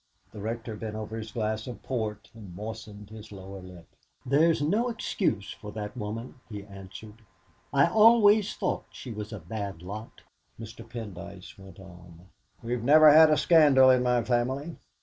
The Rector bent over his glass of port and moistened his lower lip. "There's no excuse for that woman," he answered. "I always thought she was a bad lot." Mr. Pendyce went on: "We've never had a scandal in my family.